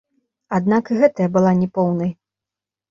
Аднак і гэтая была не поўнай.